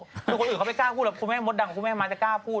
คนอื่นเขาไม่กล้าพูดคุณแม่มดดังคุณแม่ม้าจะกล้าพูด